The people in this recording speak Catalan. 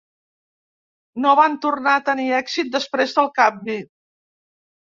No van tornar a tenir èxit després del canvi.